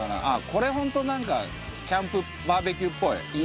これ本当なんかキャンプバーベキューっぽい。